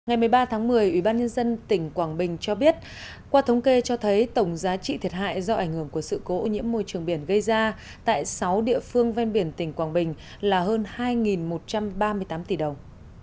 ngày một mươi ba tháng một mươi ubnd tỉnh quảng bình cho biết qua thống kê cho thấy tổng giá trị thiệt hại do ảnh hưởng của sự cố ô nhiễm môi trường biển gây ra tại sáu địa phương ven biển tỉnh quảng bình là hơn hai một trăm ba mươi tám tỷ đồng